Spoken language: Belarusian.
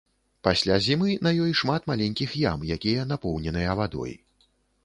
Пасля зімы на ёй шмат маленькіх ям, якія напоўненыя вадой.